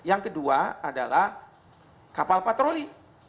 yang kedua adalah kapal patroli